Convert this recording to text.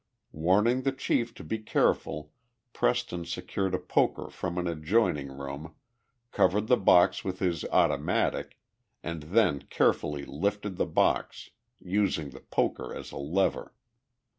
Warning the chief to be careful, Preston secured a poker from an adjoining room, covered the box with his automatic, and then carefully lifted the box, using the poker as a lever.